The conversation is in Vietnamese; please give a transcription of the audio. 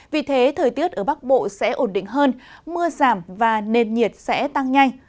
vì thế thời tiết ở bắc bộ sẽ ổn định hơn mưa giảm và nền nhiệt sẽ tăng nhanh